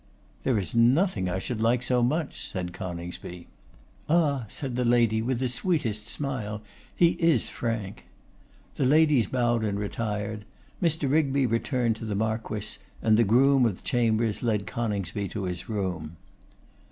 'There is nothing I should like so much,' said Coningsby. 'Ah!' said the lady, with the sweetest smile, 'he is frank.' The ladies bowed and retired; Mr. Rigby returned to the Marquess, and the groom of the chambers led Coningsby to his room.